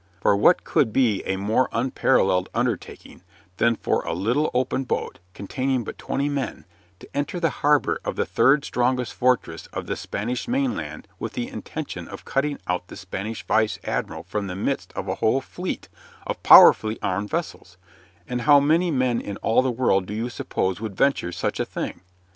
For what could be a more unparalleled undertaking than for a little open boat, containing but twenty men, to enter the harbor of the third strongest fortress of the Spanish mainland with the intention of cutting out the Spanish vice admiral from the midst of a whole fleet of powerfully armed vessels, and how many men in all the world do you suppose would venture such a thing?